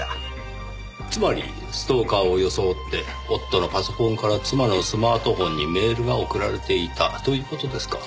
つまりストーカーを装って夫のパソコンから妻のスマートフォンにメールが送られていたという事ですか。